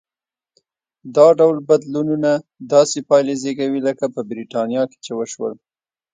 دا ډول بدلونونه داسې پایلې زېږوي لکه په برېټانیا کې چې وشول.